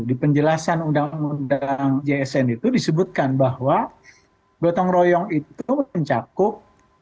di penjelasan undang undang jsn itu disebutkan bahwa gotong royong itu mencakup